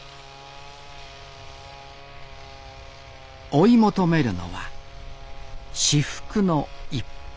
追い求めるのは至福の一服